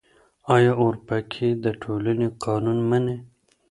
آيا اورپکي د ټولنې قانون مني؟